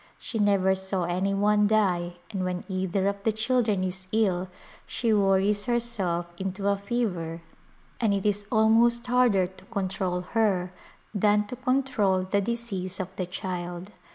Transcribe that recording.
She never saw any one die and when either of the children is ill she A Glimpse of India worries herself into a fever and it is almost harder to control her than to control the disease of the child.